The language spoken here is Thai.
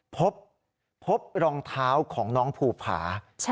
พบรองเท้าของน้องภูผา